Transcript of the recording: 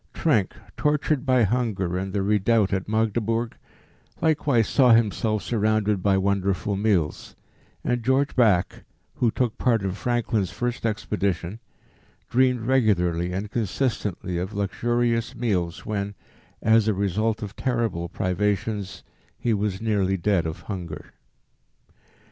Trenck, tortured by hunger in the redoubt at Magdeburg, likewise saw himself surrounded by wonderful meals, and George Back, who took part in Franklin's first expedition, dreamed regularly and consistently of luxurious meals when, as a result of terrible privations, he was nearly dead of hunger."